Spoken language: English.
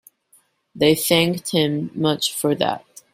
They thanked him much for that.